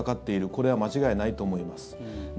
これは間違いないと思います。